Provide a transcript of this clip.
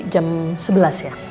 jam sebelas ya